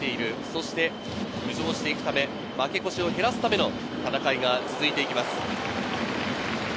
そして浮上していくため、負け越しを減らすための戦いが続いていきます。